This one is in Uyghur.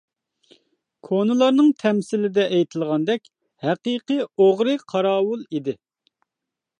كونىلارنىڭ تەمسىلىدە ئېيتىلغاندەك: «ھەقىقىي ئوغرى قاراۋۇل» ئىدى.